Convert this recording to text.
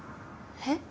えっ？